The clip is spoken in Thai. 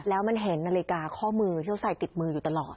แล้วมันเห็นนาฬิกาข้อมือที่เขาใส่ติดมืออยู่ตลอด